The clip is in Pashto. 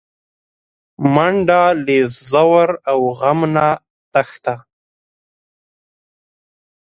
منډه له ځور او غم نه تښته